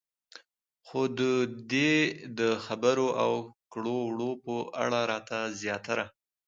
خو د دې د خبرو او کړو وړو په اړه راته زياتره